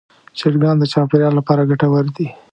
چرګان د چاپېریال لپاره ګټور دي.